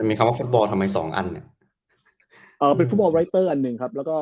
มันมีคำว่าฟรุตบอลทำไมสองอันอ๋อเป็นฟวุทบอลไรเตอร์อันหนึ่งครับ